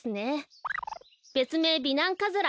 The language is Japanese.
べつめい美男カズラ。